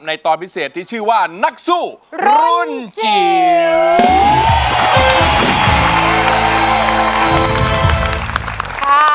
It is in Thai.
ตอนพิเศษที่ชื่อว่านักสู้รุ่นจิ๋ว